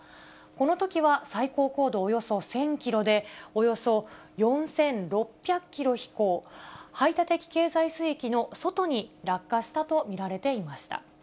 このときは最高高度およそ１０００キロで、およそ４６００キロ飛行、排他的経済水域の外に落下したと見られていました。